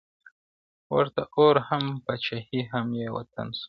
ورته اور هم پاچهي هم یې وطن سو؛